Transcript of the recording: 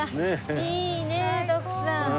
いいねえ徳さん。